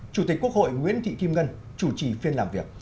chủ tịch quốc hội nguyễn thị kim ngân chủ trì phiên làm việc